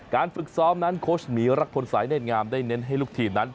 ฝึกซ้อมนั้นโค้ชหมีรักพลสายเนธงามได้เน้นให้ลูกทีมนั้น